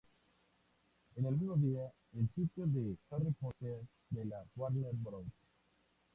En el mismo día, el sitio de "Harry Potter" de la Warner Bros.